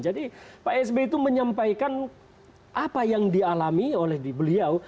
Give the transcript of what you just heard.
jadi pak s b itu menyampaikan apa yang dialami oleh beliau